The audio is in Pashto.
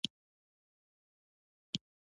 عبدالله په ګلفروشۍ کوڅه کښې څو دوکانونه راوښوول.